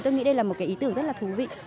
tôi nghĩ đây là một cái ý tưởng rất là thú vị